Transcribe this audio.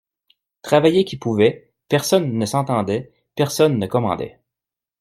Travaillait qui pouvait, personne ne s’entendait, personne ne commandait.